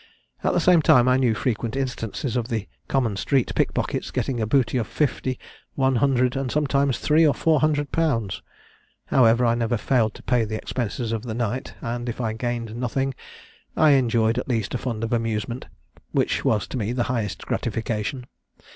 At the same time I knew frequent instances of the common street pickpockets getting a booty of fifty, one hundred, and sometimes three or four hundred pounds. However, I never failed to pay the expenses of the night; and if I gained nothing, I enjoyed at least a fund of amusement, which was to me the highest gratification.